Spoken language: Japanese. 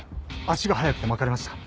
足が速くてまかれました。